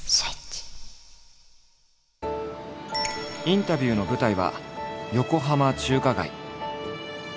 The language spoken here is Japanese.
インタビューの舞台は横浜中華街。